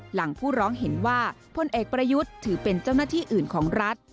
หลังผู้ร้องเห็นว่าพลเอกประยุทธ์ถือเป็นเจ้าหน้าที่อื่นของรัฐ